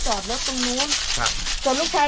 เจ๊อย่าออกไป